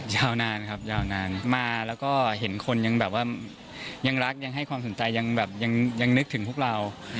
ยาวนานครับยาวนานมาแล้วก็เห็นคนยังแบบว่ายังรักยังให้ความสนใจยังแบบยังนึกถึงพวกเรา